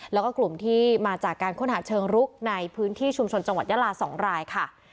แล้วก็กลุ่มที่มาจากการค้นหาเชิงรุกในพื้นที่ชุมชนจังหวัดยาลา๒รายค่ะ